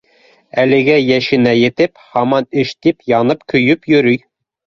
Әлеге йәшенә етеп, һаман эш тип, янып-көйөп йөрөй